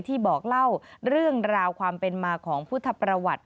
บอกเล่าเรื่องราวความเป็นมาของพุทธประวัติ